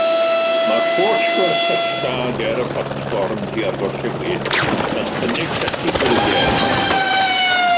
Mae coets gwersylla ger y platfform tua'r gorllewin yn cynnig llety gwyliau.